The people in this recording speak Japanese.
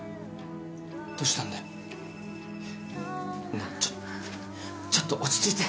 なあちょっちょっと落ち着いて。